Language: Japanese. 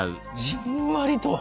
じんわりと。